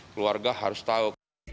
keluarga harus tahu